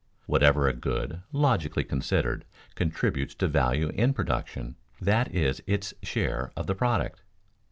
Whatever a good, logically considered, contributes to value in production, that is its share of the product.